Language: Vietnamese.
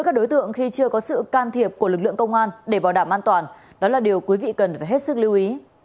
các đối tượng khi chưa có sự can thiệp của lực lượng công an để bảo đảm an toàn đó là điều quý vị cần phải hết sức lưu ý